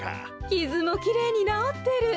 きずもきれいになおってる。